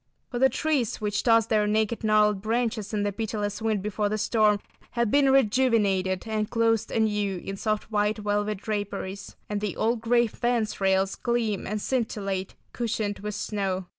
For the trees which tossed their naked gnarled branches in the pitiless wind before the storm have been rejuvenated and clothed anew in soft white velvet draperies, and the old gray fence rails gleam and scintillate, cushioned with snow.